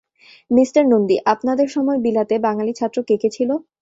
Mister Nandi, আপনাদের সময় বিলাতে বাঙালি ছাত্র কে কে ছিল।